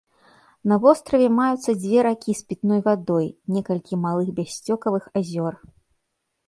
На востраве маюцца дзве ракі з пітной вадой, некалькі малых бяссцёкавых азёр.